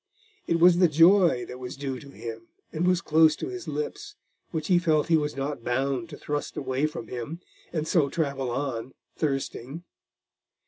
It was the joy that was due to him and was close to his lips, which he felt he was not bound to thrust away from him and so travel on, thirsting.